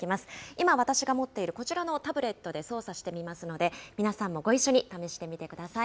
今、私が持っているこちらのタブレットで操作してみますので、皆さんもご一緒に試してみてください。